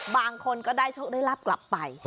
บางคนก็ได้โชคได้ลาบกลับไป